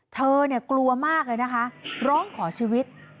เธอเนี่ยกลัวมากเลยนะคะร้องขอชีวิต